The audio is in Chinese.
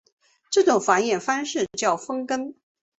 这种繁殖方式叫分根。